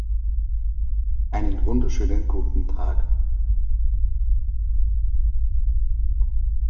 Einen wunderschönen guten Tag!